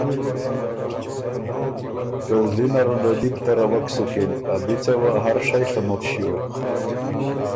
که زلی نره له دی بو تَرَوَک سُکِن، ا بی څه وه هر شئ ڒموت ݭیوک۔